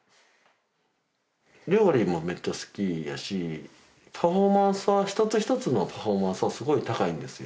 料理もめっちゃ好きやしパフォーマンスは一つ一つのパフォーマンスはすごい高いんですよ